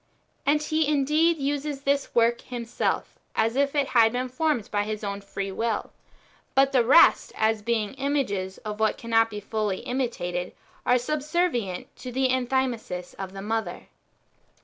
And He indeed uses this work Plimself as if it had been formed by His own free will ; but the rest, as being images of what cannot be [fully] imitated, are subservient to the Enthymesis of the mother.